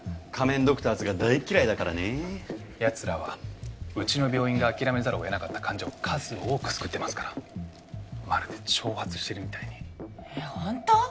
ドクターズが大嫌いだからねやつらはうちの病院が諦めざるをえなかった患者を数多く救ってますからまるで挑発してるみたいにえっホント？